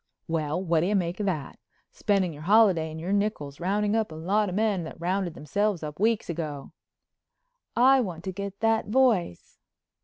"Well, what do you make of that? Spending your holiday and your nickels rounding up a lot of men that rounded themselves up weeks ago." "I want to get that voice."